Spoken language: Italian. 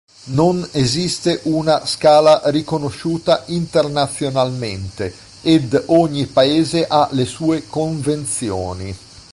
Non esiste una scala riconosciuta internazionalmente, ed ogni paese ha le sue convenzioni.